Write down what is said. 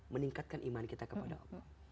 meningkatkan iman kita kepada allah